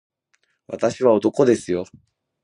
私は男ですよ